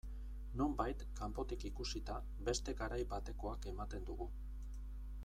Nonbait, kanpotik ikusita, beste garai batekoak ematen dugu.